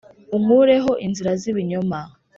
Unkureho inzira zibinyoma